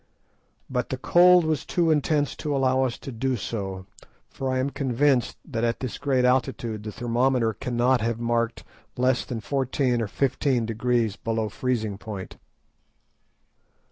But the cold was too intense to allow us to do so, for I am convinced that at this great altitude the thermometer cannot have marked less than fourteen or fifteen degrees below freezing point.